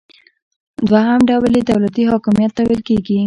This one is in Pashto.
دوهم ډول یې دولتي حاکمیت ته ویل کیږي.